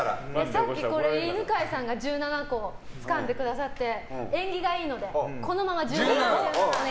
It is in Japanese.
さっきこれ犬飼さんが１７個つかんでくださって縁起がいいのでこのまま１７個で。